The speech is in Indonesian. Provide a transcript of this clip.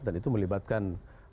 dan itu melibatkan